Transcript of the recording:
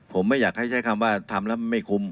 ผมไม่อยากให้ใช้คำว่าทำแล้วไม่คุ้ม